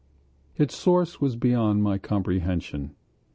Its source was beyond my comprehension.